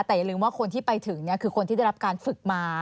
แต่อย่าลืมว่าคนที่ไปถึงคือคนที่ได้รับการฝึกมา